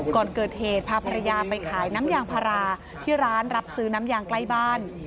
ก่อนเกิดเหตุพาภรรยาไปขายน้ำยางพาราที่ร้านรับซื้อน้ำยางใกล้บ้าน